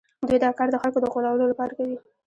دوی دا کار د خلکو د غولولو لپاره کوي